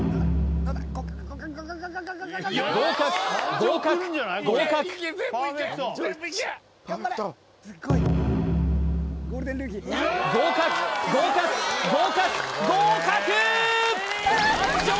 合格合格合格合格合格合格合格！